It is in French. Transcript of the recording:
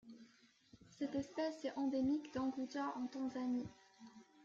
Cette espèce est endémique d'Unguja en Tanzanie.